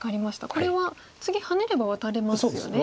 これは次ハネればワタれますよね。